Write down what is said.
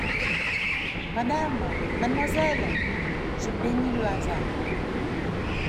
Madame !… mademoiselle !… je bénis le hasard…